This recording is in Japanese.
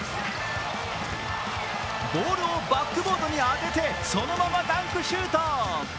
ボールをバックボードに当ててそのままダンクシュート。